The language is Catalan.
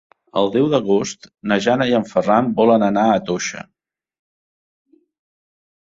El deu d'agost na Jana i en Ferran volen anar a Toixa.